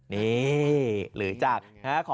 นี่หรือจัด